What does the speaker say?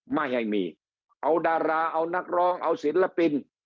ไม่ให้มีเอาดาราเอานักร้องเอาศิลปิน